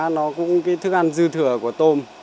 nó cũng cái thức ăn dư thừa của tôm